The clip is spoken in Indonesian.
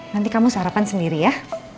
nanti kamu sarapan sendiri ya